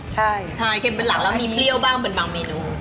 ใช่ใช่เค็มเป็นหลังแล้วมีเปรี้ยวบ้างเป็นบางเมนู